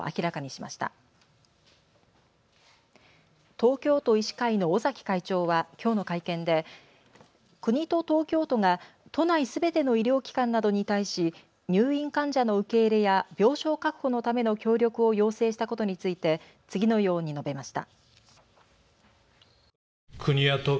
東京都医師会の尾崎会長はきょうの会見で国と東京都が都内すべての医療機関などに対し入院患者の受け入れや病床確保のための協力を要請したことについて次のように述べました。